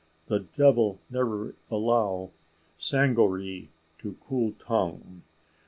The debil never allow Sangoree to cool tongue.